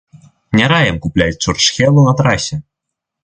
Не раім купляць чурчхелу на трасе.